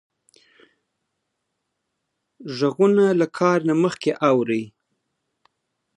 غوږونه له کار نه مخکې اوري